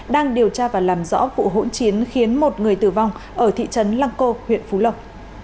đang điều tra và làm rõ vụ hỗn chiến khiến một người tử vong ở thị trấn lăng cô huyện phú lộc